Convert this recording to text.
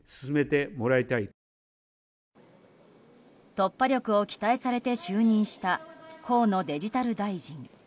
突破力を期待されて就任した河野デジタル大臣。